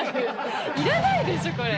いらないでしょ、これ。